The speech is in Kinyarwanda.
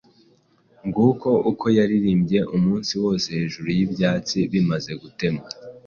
Nguko uko yaririmbye umunsi wose Hejuru y'ibyatsi bimaze gutemwa,